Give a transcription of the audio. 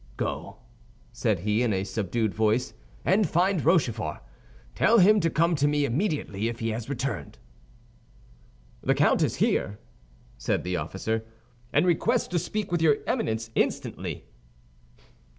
"Go," said he, in a subdued voice, "and find Rochefort. Tell him to come to me immediately, if he has returned." "The count is here," said the officer, "and requests to speak with your Eminence instantly."